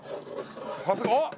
さすがあっ！